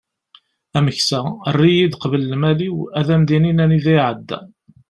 ameksa err-iyi-d qbel lmal-iw ad am-d-inin anida iεedda